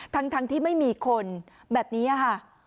ทั้งทั้งที่ไม่มีคนแบบนี้อ่ะค่ะ